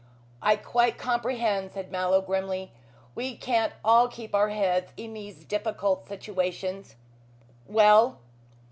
"I quite comprehend!" said Mallow grimly. "We can't all keep our heads in these difficult situations. Well?"